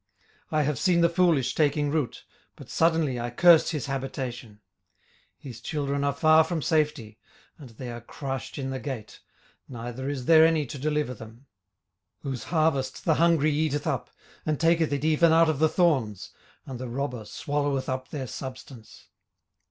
18:005:003 I have seen the foolish taking root: but suddenly I cursed his habitation. 18:005:004 His children are far from safety, and they are crushed in the gate, neither is there any to deliver them. 18:005:005 Whose harvest the hungry eateth up, and taketh it even out of the thorns, and the robber swalloweth up their substance.